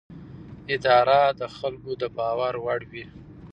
اداره د خلکو د باور وړ وي.